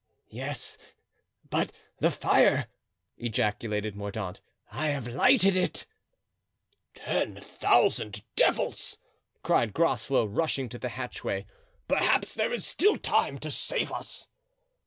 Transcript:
"Yes, but the fire," ejaculated Mordaunt; "I have lighted it." "Ten thousand devils!" cried Groslow, rushing to the hatchway; "perhaps there is still time to save us."